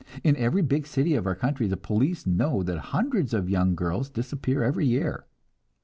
In every big city of our country the police know that hundreds of young girls disappear every year.